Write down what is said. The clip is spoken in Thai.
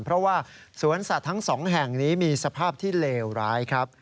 เพราะว่าสวนสัตว์ทั้งสองแห่งนี้มีสภาพที่เลวร้ายครับ